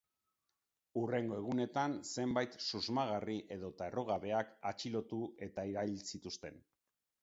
Hurrengo egunetan zenbait susmagarri edota errugabeak atxilotu eta erail zituzten.